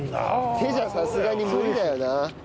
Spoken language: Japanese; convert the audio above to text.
手じゃさすがに無理だよな。